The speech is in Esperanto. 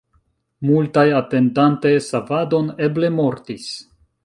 Multaj atendante savadon eble mortis.